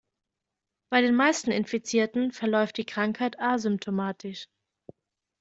Bei den meisten Infizierten verläuft die Krankheit asymptomatisch.